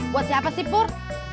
buat siapa sih pur